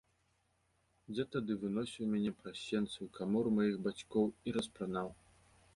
Дзед тады выносіў мяне праз сенцы ў камору маіх бацькоў і распранаў.